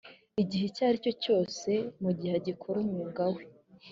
igihe icyo ari cyo cyose mu gihe agikora umwuga we